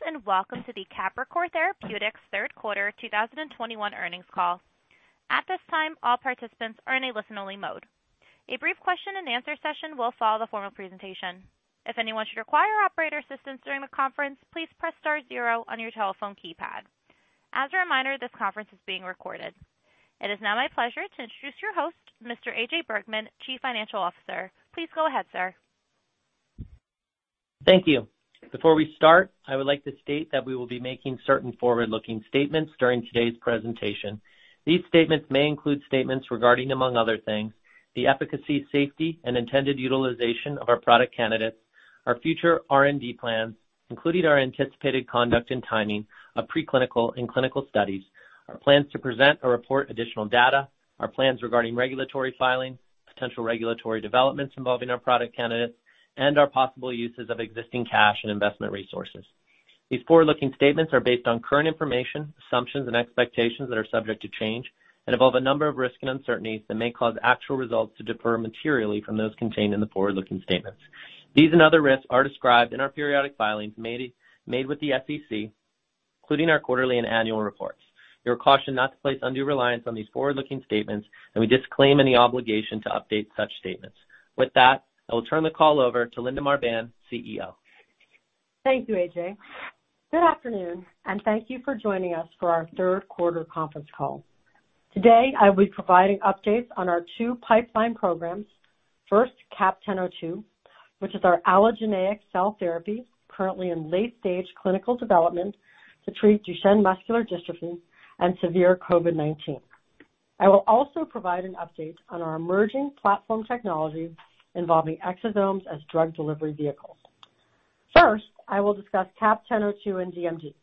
Greetings, and welcome to the Capricor Therapeutics third quarter 2021 earnings call. At this time, all participants are in a listen-only mode. A brief question and answer session will follow the formal presentation. If anyone should require operator assistance during the conference, please press star zero on your telephone keypad. As a reminder, this conference is being recorded. It is now my pleasure to introduce your host, Mr. AJ Bergmann, Chief Financial Officer. Please go ahead, sir. Thank you. Before we start, I would like to state that we will be making certain forward-looking statements during today's presentation. These statements may include statements regarding, among other things, the efficacy, safety, and intended utilization of our product candidates, our future R&D plans, including our anticipated conduct and timing of pre-clinical and clinical studies, our plans to present or report additional data, our plans regarding regulatory filings, potential regulatory developments involving our product candidates, and our possible uses of existing cash and investment resources. These forward-looking statements are based on current information, assumptions, and expectations that are subject to change and involve a number of risks and uncertainties that may cause actual results to differ materially from those contained in the forward-looking statements. These and other risks are described in our periodic filings made with the SEC, including our quarterly and annual reports. You are cautioned not to place undue reliance on these forward-looking statements, and we disclaim any obligation to update such statements. With that, I will turn the call over to Linda Marbán, CEO. Thank you, AJ. Good afternoon, and thank you for joining us for our third quarter conference call. Today, I will be providing updates on our two pipeline programs. First, CAP-1002, which is our allogeneic cell therapy currently in late-stage clinical development to treat Duchenne muscular dystrophy and severe COVID-19. I will also provide an update on our emerging platform technology involving exosomes as drug delivery vehicles. First, I will discuss CAP-1002 and DMD.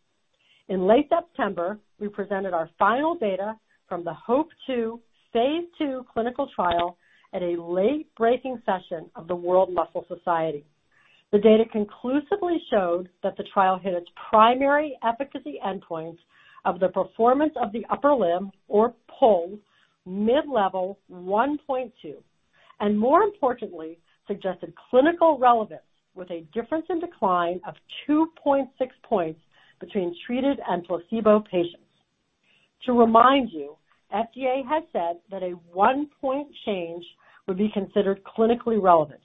In late September, we presented our final data from the HOPE-2, phase II clinical trial at a late-breaking session of the World Muscle Society. The data conclusively showed that the trial hit its primary efficacy endpoint of the Performance of the Upper Limb or PUL mid-level 1.2, and more importantly, suggested clinical relevance with a difference in decline of 2.6 points between treated and placebo patients. To remind you, FDA has said that a one-point change would be considered clinically relevant.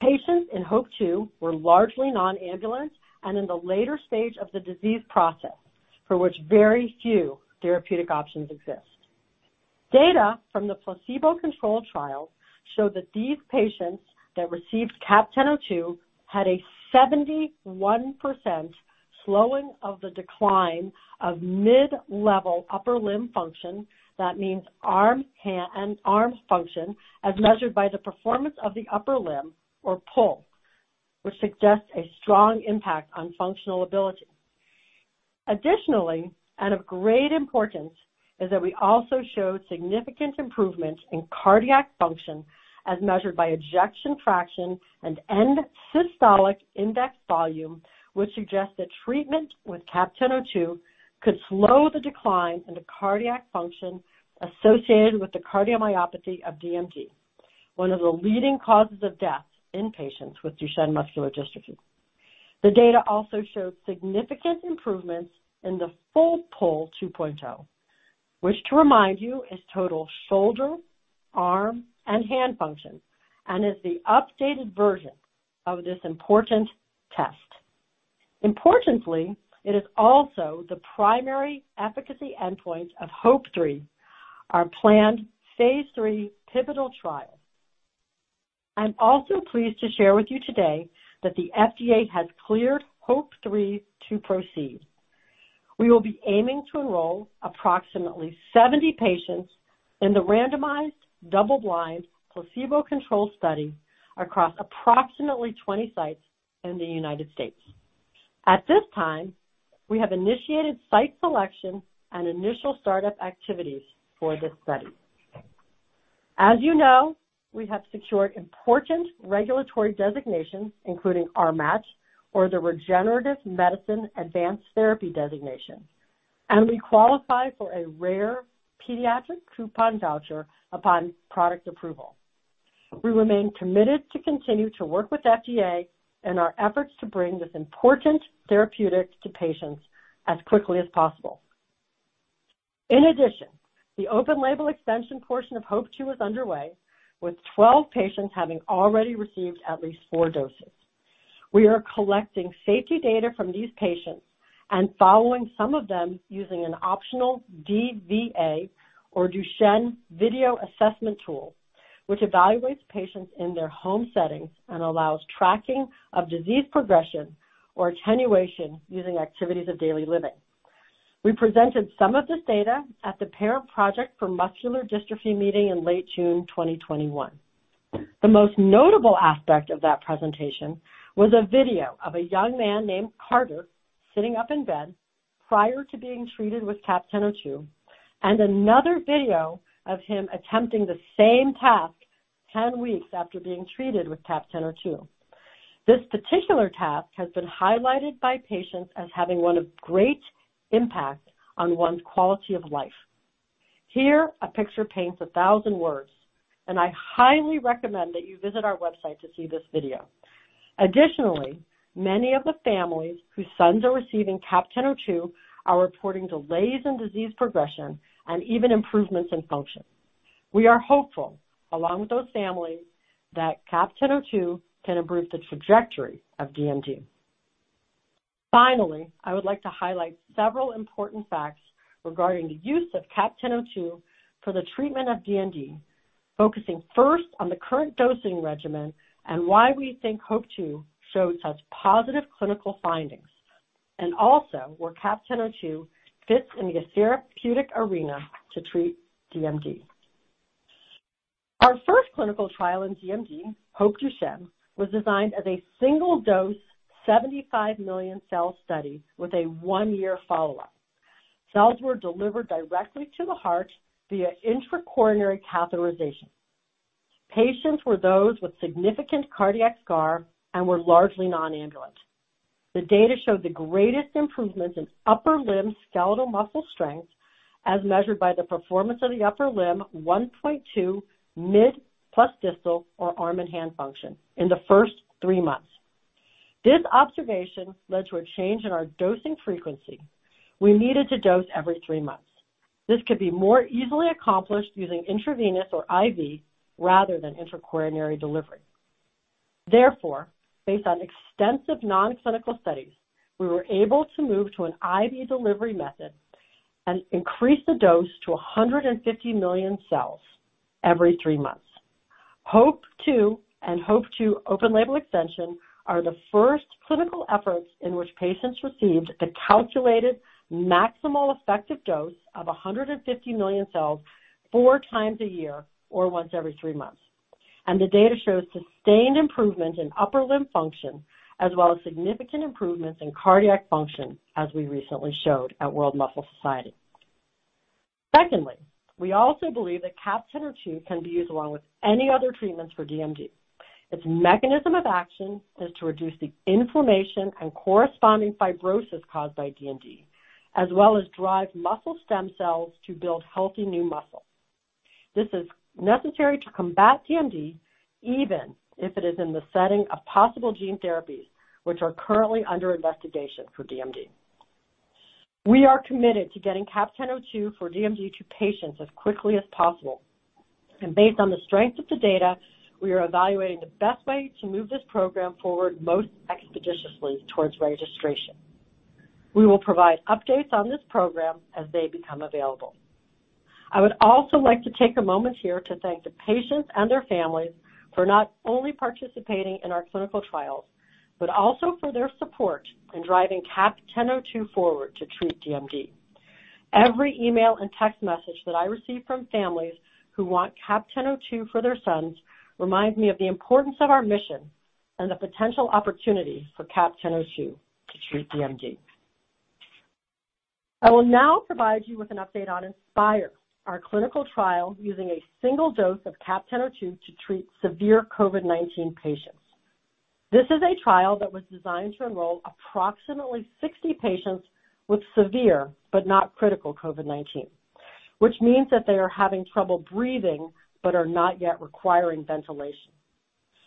Patients in HOPE-2 were largely non-ambulant and in the later stage of the disease process, for which very few therapeutic options exist. Data from the placebo-controlled trial showed that these patients that received CAP-1002 had a 71% slowing of the decline of mid-level upper limb function. That means arm, hand, and arm function, as measured by the Performance of the Upper Limb, or PUL, which suggests a strong impact on functional ability. Additionally, and of great importance, is that we also showed significant improvements in cardiac function as measured by ejection fraction and end-systolic volume index, which suggests that treatment with CAP-1002 could slow the decline in the cardiac function associated with the cardiomyopathy of DMD, one of the leading causes of death in patients with Duchenne muscular dystrophy. The data also showed significant improvements in the full PUL 2.0, which to remind you, is total shoulder, arm, and hand function and is the updated version of this important test. Importantly, it is also the primary efficacy endpoint of HOPE-3, our planned phase III pivotal trial. I'm also pleased to share with you today that the FDA has cleared HOPE-3 to proceed. We will be aiming to enroll approximately 70 patients in the randomized double-blind placebo-controlled study across approximately 20 sites in the United States. At this time, we have initiated site selection and initial startup activities for this study. As you know, we have secured important regulatory designations, including RMAT or the Regenerative Medicine Advanced Therapy Designation, and we qualify for a rare pediatric disease priority review voucher upon product approval. We remain committed to continue to work with FDA in our efforts to bring this important therapeutic to patients as quickly as possible. In addition, the open label extension portion of HOPE-2 is underway, with 12 patients having already received at least four doses. We are collecting safety data from these patients and following some of them using an optional DVA or Duchenne Video Assessment tool, which evaluates patients in their home setting and allows tracking of disease progression or attenuation using activities of daily living. We presented some of this data at the Parent Project Muscular Dystrophy meeting in late June 2021. The most notable aspect of that presentation was a video of a young man named Carter sitting up in bed prior to being treated with CAP-1002, and another video of him attempting the same task 10 weeks after being treated with CAP-1002. This particular task has been highlighted by patients as having one of great impact on one's quality of life. Here, a picture paints a thousand words, and I highly recommend that you visit our website to see this video. Additionally, many of the families whose sons are receiving CAP-1002 are reporting delays in disease progression and even improvements in function. We are hopeful, along with those families, that CAP-1002 can improve the trajectory of DMD. Finally, I would like to highlight several important facts regarding the use of CAP-1002 for the treatment of DMD, focusing first on the current dosing regimen and why we think HOPE-2 shows such positive clinical findings, and also where CAP-1002 fits in the therapeutic arena to treat DMD. Our first clinical trial in DMD, HOPE-Duchenne, was designed as a single-dose 75 million cell study with a one-year follow-up. Cells were delivered directly to the heart via intracoronary catheterization. Patients were those with significant cardiac scar and were largely non-ambulant. The data showed the greatest improvements in upper limb skeletal muscle strength as measured by the Performance of the Upper Limb 1.2 mid-plus distal or arm and hand function in the first three months. This observation led to a change in our dosing frequency. We needed to dose every three months. This could be more easily accomplished using intravenous or IV rather than intracoronary delivery. Therefore, based on extensive non-clinical studies, we were able to move to an IV delivery method and increase the dose to 150 million cells every three months. HOPE-2 and HOPE-2 open-label extension are the first clinical efforts in which patients received the calculated maximal effective dose of 150 million cells four times a year, or once every three months. The data shows sustained improvement in upper limb function, as well as significant improvements in cardiac function, as we recently showed at World Muscle Society. Secondly, we also believe that CAP-1002 can be used along with any other treatments for DMD. Its mechanism of action is to reduce the inflammation and corresponding fibrosis caused by DMD, as well as drive muscle stem cells to build healthy new muscle. This is necessary to combat DMD, even if it is in the setting of possible gene therapies which are currently under investigation for DMD. We are committed to getting CAP-1002 for DMD to patients as quickly as possible. Based on the strength of the data, we are evaluating the best way to move this program forward most expeditiously towards registration. We will provide updates on this program as they become available. I would also like to take a moment here to thank the patients and their families for not only participating in our clinical trials, but also for their support in driving CAP-1002 forward to treat DMD. Every email and text message that I receive from families who want CAP-1002 for their sons reminds me of the importance of our mission and the potential opportunities for CAP-1002 to treat DMD. I will now provide you with an update on INSPIRE, our clinical trial using a single dose of CAP-1002 to treat severe COVID-19 patients. This is a trial that was designed to enroll approximately 60 patients with severe but not critical COVID-19, which means that they are having trouble breathing but are not yet requiring ventilation.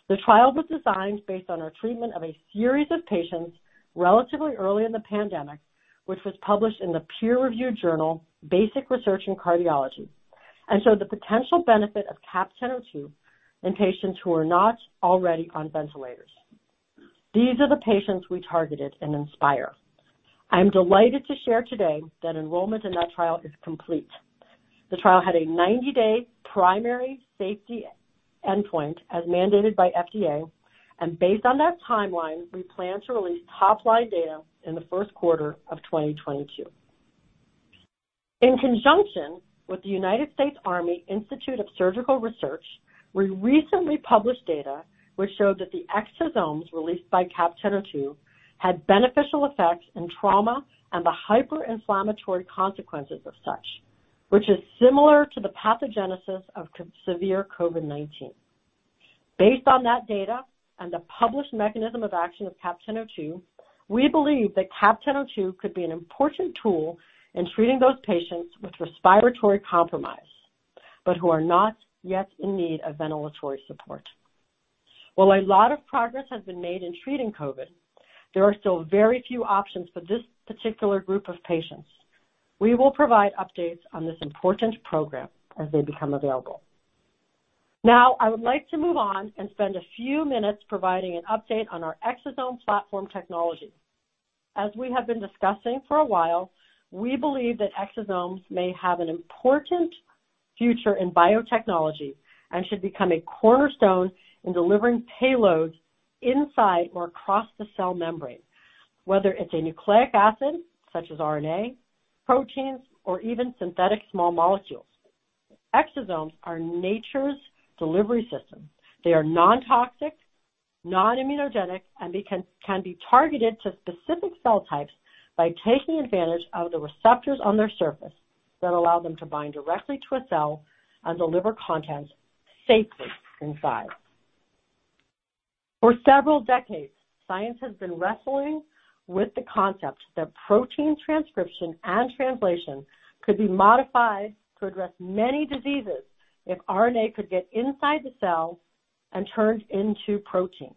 The trial was designed based on our treatment of a series of patients relatively early in the pandemic, which was published in the peer-reviewed journal Basic Research in Cardiology, and showed the potential benefit of CAP-1002 in patients who are not already on ventilators. These are the patients we targeted in INSPIRE. I'm delighted to share today that enrollment in that trial is complete. The trial had a 90-day primary safety endpoint as mandated by FDA, and based on that timeline, we plan to release top-line data in the first quarter of 2022. In conjunction with the United States Army Institute of Surgical Research, we recently published data which showed that the exosomes released by CAP-1002 had beneficial effects in trauma and the hyper-inflammatory consequences of such, which is similar to the pathogenesis of severe COVID-19. Based on that data and the published mechanism of action of CAP-1002, we believe that CAP-1002 could be an important tool in treating those patients with respiratory compromise, but who are not yet in need of ventilatory support. While a lot of progress has been made in treating COVID, there are still very few options for this particular group of patients. We will provide updates on this important program as they become available. Now, I would like to move on and spend a few minutes providing an update on our exosome platform technology. As we have been discussing for a while, we believe that exosomes may have an important future in biotechnology and should become a cornerstone in delivering payloads inside or across the cell membrane, whether it's a nucleic acid such as RNA, proteins, or even synthetic small molecules. Exosomes are nature's delivery system. They are non-toxic, non-immunogenic, and they can be targeted to specific cell types by taking advantage of the receptors on their surface that allow them to bind directly to a cell and deliver contents safely inside. For several decades, science has been wrestling with the concept that protein transcription and translation could be modified to address many diseases if RNA could get inside the cell and turned into protein.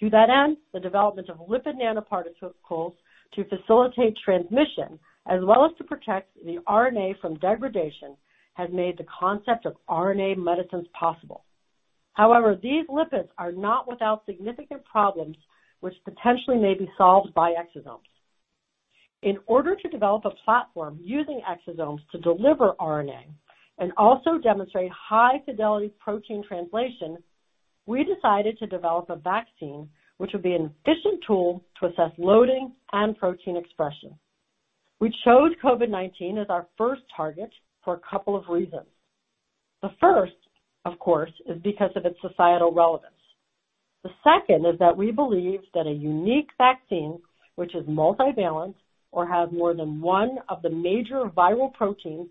To that end, the development of lipid nanoparticles to facilitate transmission as well as to protect the RNA from degradation has made the concept of RNA medicines possible. However, these lipids are not without significant problems, which potentially may be solved by exosomes. In order to develop a platform using exosomes to deliver RNA and also demonstrate high-fidelity protein translation, we decided to develop a vaccine which would be an efficient tool to assess loading and protein expression. We chose COVID-19 as our first target for a couple of reasons. The first, of course, is because of its societal relevance. The second is that we believe that a unique vaccine, which is multivalent or has more than one of the major viral proteins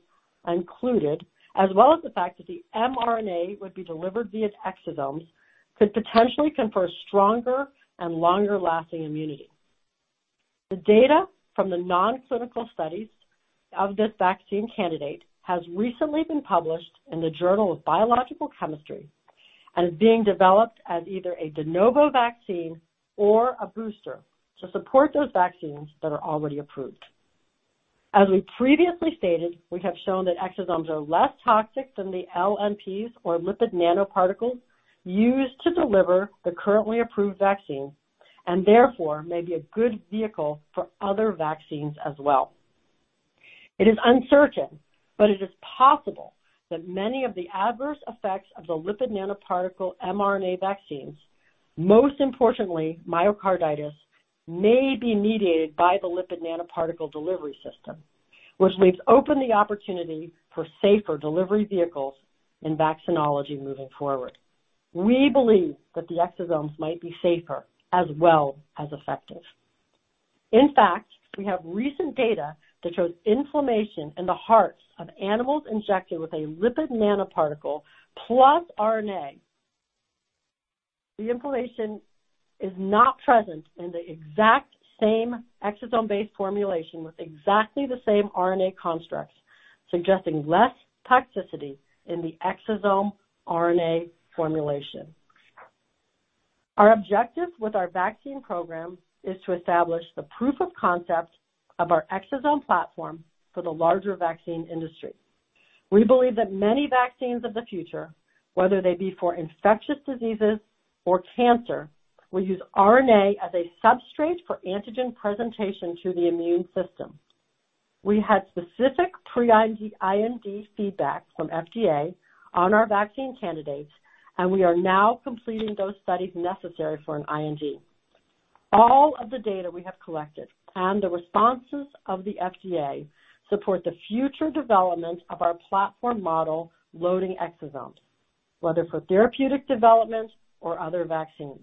included, as well as the fact that the mRNA would be delivered via exosomes, could potentially confer stronger and longer-lasting immunity. The data from the non-clinical studies of this vaccine candidate has recently been published in the Journal of Biological Chemistry and is being developed as either a de novo vaccine or a booster to support those vaccines that are already approved. As we previously stated, we have shown that exosomes are less toxic than the LNPs or lipid nanoparticles used to deliver the currently approved vaccine, and therefore may be a good vehicle for other vaccines as well. It is uncertain, but it is possible that many of the adverse effects of the lipid nanoparticle mRNA vaccines, most importantly, myocarditis, may be mediated by the lipid nanoparticle delivery system, which leaves open the opportunity for safer delivery vehicles in vaccinology moving forward. We believe that the exosomes might be safer as well as effective. In fact, we have recent data that shows inflammation in the hearts of animals injected with a lipid nanoparticle plus RNA. The inflammation is not present in the exact same exosome-based formulation with exactly the same RNA constructs, suggesting less toxicity in the exosome RNA formulation. Our objective with our vaccine program is to establish the proof of concept of our exosome platform for the larger vaccine industry. We believe that many vaccines of the future, whether they be for infectious diseases or cancer, will use RNA as a substrate for antigen presentation to the immune system. We had specific pre-IND feedback from FDA on our vaccine candidates, and we are now completing those studies necessary for an IND. All of the data we have collected and the responses of the FDA support the future development of our platform model loading exosomes, whether for therapeutic development or other vaccines.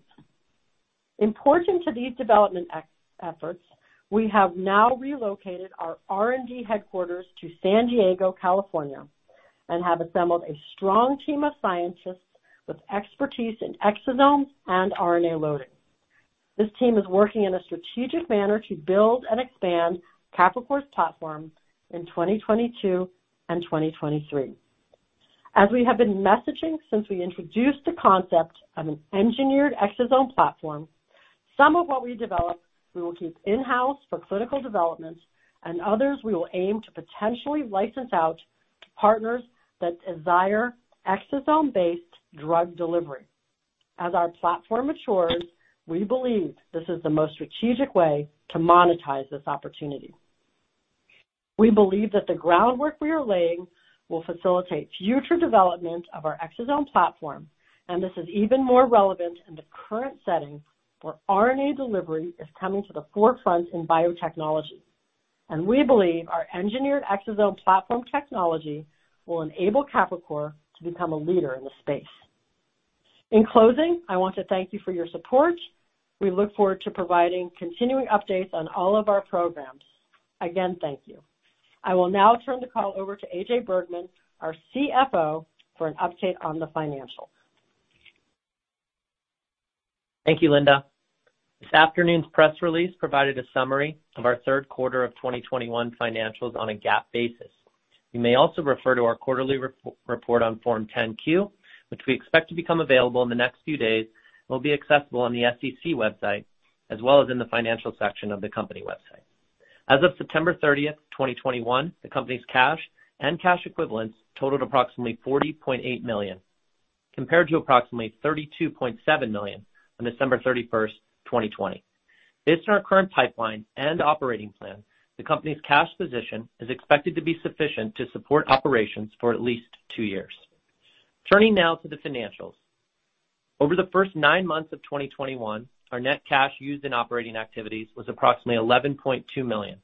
Important to these development exosome efforts, we have now relocated our R&D headquarters to San Diego, California, and have assembled a strong team of scientists with expertise in exosomes and RNA loading. This team is working in a strategic manner to build and expand Capricor's platform in 2022 and 2023. As we have been messaging since we introduced the concept of an engineered exosome platform, some of what we develop we will keep in-house for clinical development, and others we will aim to potentially license out to partners that desire exosome-based drug delivery. As our platform matures, we believe this is the most strategic way to monetize this opportunity. We believe that the groundwork we are laying will facilitate future development of our exosome platform, and this is even more relevant in the current setting where RNA delivery is coming to the forefront in biotechnology. We believe our engineered exosome platform technology will enable Capricor to become a leader in the space. In closing, I want to thank you for your support. We look forward to providing continuing updates on all of our programs. Again, thank you. I will now turn the call over to AJ Bergmann, our CFO, for an update on the financials. Thank you, Linda. This afternoon's press release provided a summary of our third quarter of 2021 financials on a GAAP basis. You may also refer to our quarterly report on Form 10-Q, which we expect to become available in the next few days, will be accessible on the sec website as well as in the financial section of the company website. As of September 30, 2021, the company's cash and cash equivalents totaled approximately $40.8 million, compared to approximately $32.7 million on December 31, 2020. Based on our current pipeline and operating plan, the company's cash position is expected to be sufficient to support operations for at least two years. Turning now to the financials. Over the first nine months of 2021, our net cash used in operating activities was approximately $11.2 million.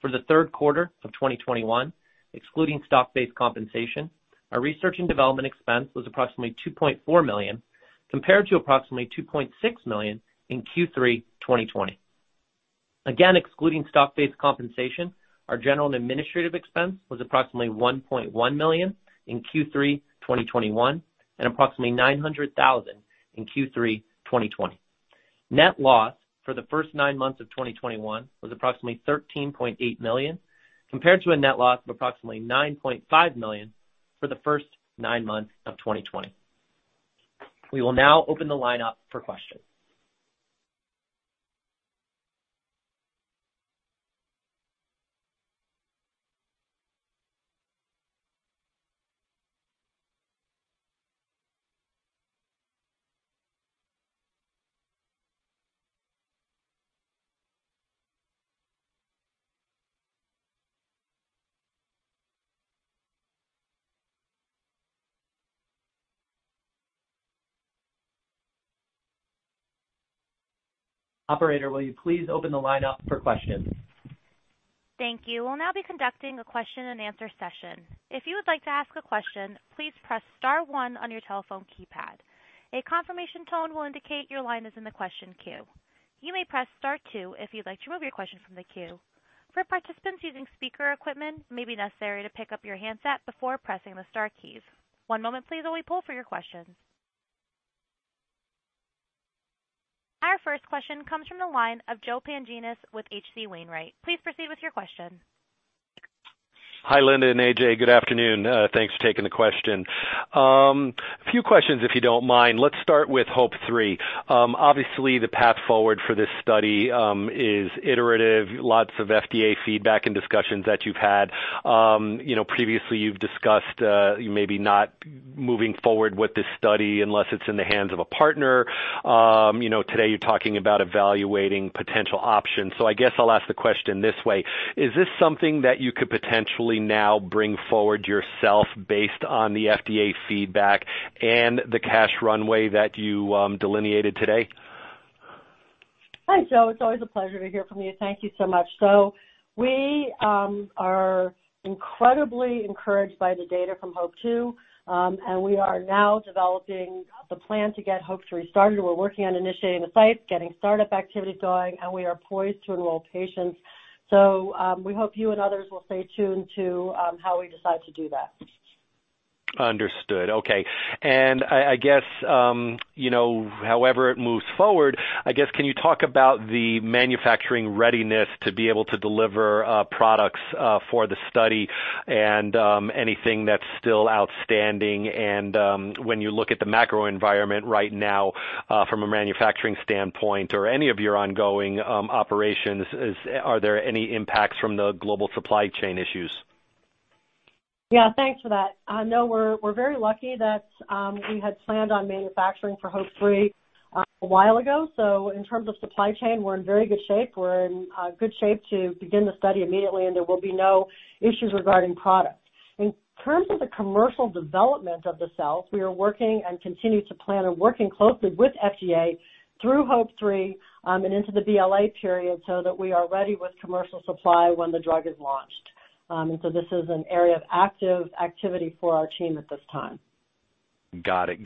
For the third quarter of 2021, excluding stock-based compensation, our research and development expense was approximately $2.4 million, compared to approximately $2.6 million in Q3 2020. Again, excluding stock-based compensation, our general and administrative expense was approximately $1.1 million in Q3 2021 and approximately $900,000 in Q3 2020. Net loss for the first nine months of 2021 was approximately $13.8 million, compared to a net loss of approximately $9.5 million for the first nine months of 2020. We will now open the lineup for questions. Operator, will you please open the lineup for questions? Thank you. We'll now be conducting a question-and-answer session. If you would like to ask a question, please press star one on your telephone keypad. A confirmation tone will indicate your line is in the question queue. You may press star two if you'd like to remove your question from the queue. For participants using speaker equipment, it may be necessary to pick up your handset before pressing the star keys. One moment please, while we poll for your questions. Our first question comes from the line of Joe Pantginis with H.C. Wainwright. Please proceed with your question. Hi, Linda and AJ. Good afternoon. Thanks for taking the question. A few questions, if you don't mind. Let's start with HOPE-3. Obviously the path forward for this study is iterative. Lots of FDA feedback and discussions that you've had. You know, previously you've discussed maybe not moving forward with this study unless it's in the hands of a partner. You know, today you're talking about evaluating potential options. I guess I'll ask the question this way: Is this something that you could potentially now bring forward yourself based on the FDA feedback and the cash runway that you delineated today? Hi, Joe. It's always a pleasure to hear from you. Thank you so much. We are incredibly encouraged by the data from HOPE-2, and we are now developing the plan to get HOPE-3 started. We're working on initiating the sites, getting startup activities going, and we are poised to enroll patients. We hope you and others will stay tuned to how we decide to do that. Understood. Okay. I guess, you know, however it moves forward, I guess, can you talk about the manufacturing readiness to be able to deliver products for the study and anything that's still outstanding? When you look at the macro environment right now from a manufacturing standpoint or any of your ongoing operations, are there any impacts from the global supply chain issues? Yeah, thanks for that. No, we're very lucky that we had planned on manufacturing for HOPE-3 a while ago. In terms of supply chain, we're in very good shape. We're in good shape to begin the study immediately, and there will be no issues regarding product. In terms of the commercial development of the cells, we are working and continue to plan, and working closely with FDA through HOPE-3 and into the BLA period so that we are ready with commercial supply when the drug is launched. This is an area of active activity for our team at this time. Got it.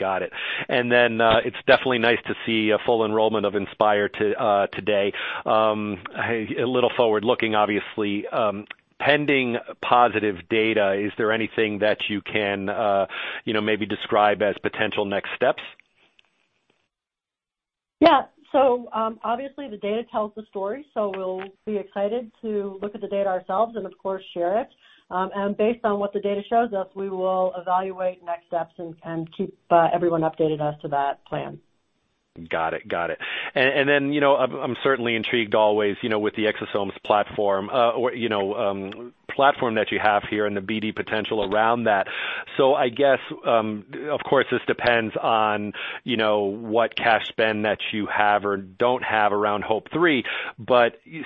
It's definitely nice to see a full enrollment of INSPIRE to today. A little forward looking, obviously. Pending positive data, is there anything that you can, you know, maybe describe as potential next steps? Yeah. Obviously the data tells the story, so we'll be excited to look at the data ourselves and of course share it. Based on what the data shows us, we will evaluate next steps and keep everyone updated as to that plan. Got it. Then, you know, I'm certainly intrigued always, you know, with the exosomes platform that you have here and the BD potential around that. I guess, of course, this depends on, you know, what cash spend that you have or don't have around HOPE-3.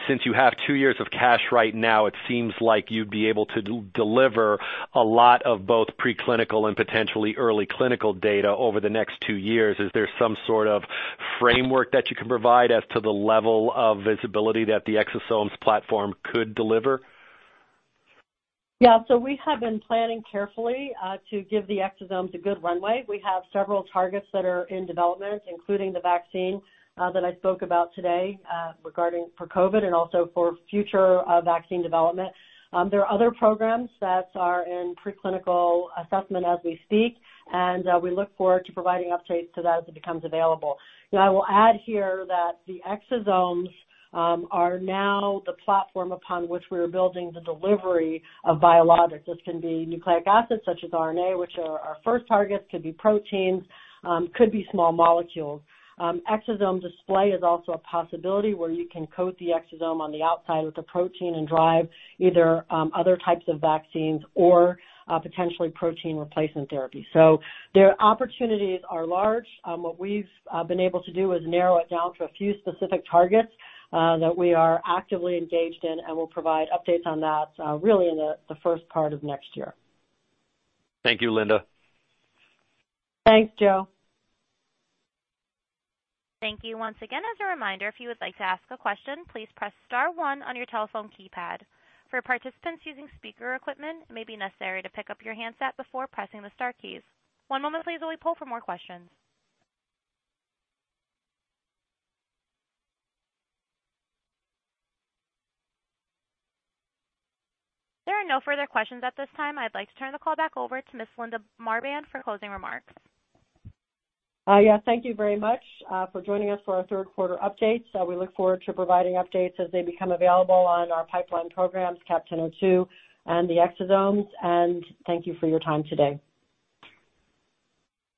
Since you have two years of cash right now, it seems like you'd be able to deliver a lot of both preclinical and potentially early clinical data over the next two years. Is there some sort of framework that you can provide as to the level of visibility that the exosomes platform could deliver? Yeah. We have been planning carefully to give the exosomes a good runway. We have several targets that are in development, including the vaccine that I spoke about today regarding for COVID and also for future vaccine development. There are other programs that are in preclinical assessment as we speak, and we look forward to providing updates to that as it becomes available. I will add here that the exosomes are now the platform upon which we are building the delivery of biologics. This can be nucleic acids such as RNA, which are our first targets, could be proteins, could be small molecules. Exosome display is also a possibility where you can coat the exosome on the outside with a protein and drive either other types of vaccines or potentially protein replacement therapy. The opportunities are large. What we've been able to do is narrow it down to a few specific targets that we are actively engaged in and will provide updates on that really in the first part of next year. Thank you, Linda. Thanks, Joe. Thank you once again. As a reminder, if you would like to ask a question, please press star one on your telephone keypad. For participants using speaker equipment, it may be necessary to pick up your handset before pressing the star keys. One moment please, while we poll for more questions. There are no further questions at this time. I'd like to turn the call back over to Ms. Linda Marbán for closing remarks. Yeah. Thank you very much for joining us for our third quarter update. We look forward to providing updates as they become available on our pipeline programs, CAP-1002 and the exosomes. Thank you for your time today.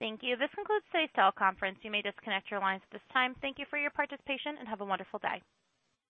Thank you. This concludes today's teleconference. You may disconnect your lines at this time. Thank you for your participation, and have a wonderful day.